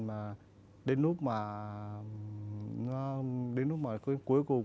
mà đến lúc mà đến lúc mà cuối cùng